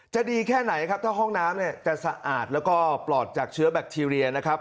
ดีแค่ไหนครับถ้าห้องน้ำเนี่ยจะสะอาดแล้วก็ปลอดจากเชื้อแบคทีเรียนะครับ